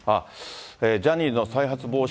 ジャニーズの再発防止